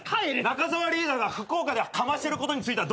中澤リーダーが福岡でかましてることについてはどう思ってる？